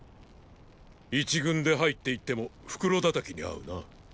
一軍で入って行っても袋叩きにあうな。